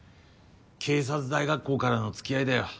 警察大学校からの付き合いだよ。